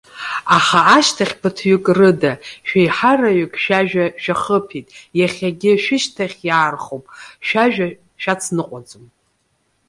Аха ашьҭахь, ԥыҭҩык рыда, шәеиҳараҩык шәажәа шәахыԥеит, иахьагьы шәышьҭахь иаархоуп, шәажәа шәацныҟәаӡом.